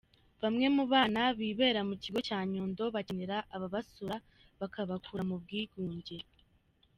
Bamwe mu bana bibera mu kigo cya Nyundo bacyenera ababasura bakabakura mu bwigunge.